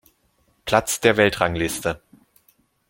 Platz der Weltrangliste.